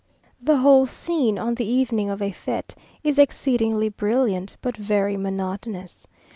The whole scene, on the evening of a fête, is exceedingly brilliant, but very monotonous.